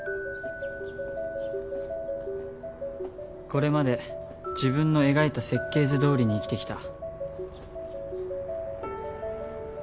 これまで自分の描いた設計図どおりに生きてきた。